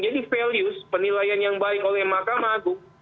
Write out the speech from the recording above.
jadi values penilaian yang baik oleh makam agung